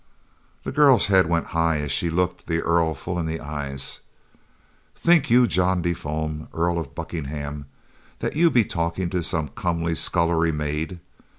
The girl's head went high as she looked the Earl full in the eye. "Think you, John de Fulm, Earl of Buckingham, that you be talking to some comely scullery maid?